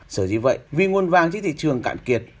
sở dĩ vậy vì nguồn vàng trên thị trường cạn kiệt